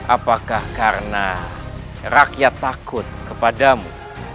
apakah karena rakyat takut kepadamu